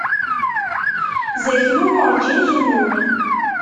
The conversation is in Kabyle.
Zaknun urǧin kennun.